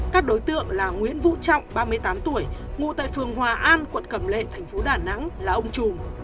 các đối tượng là nguyễn vũ trọng ba mươi tám tuổi ngụ tại phường hòa an quận cầm lệ thành phố đà nẵng là ông trùm